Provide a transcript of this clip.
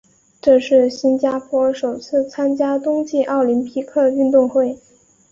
这是新加坡首次参加冬季奥林匹克运动会。